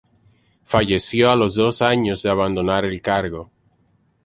Falleció a los dos años de abandonar el cargo.